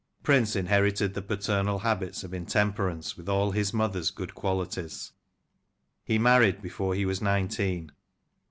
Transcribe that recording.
Prince in herited the paternal habits of intemperance with all his mother's good qualities. He married before he was nine teen.